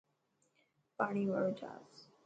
پاڻي واڙو جهاز.